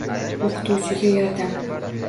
O‘qituvchiga yordam